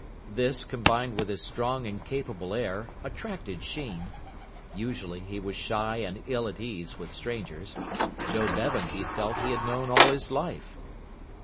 This, combined with his strong and capable air, attracted Sheen. Usually he was shy and ill at ease with strangers. Joe Bevan he felt he had known all his life.